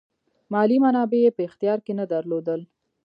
مالي منابع یې په اختیار کې نه درلودل.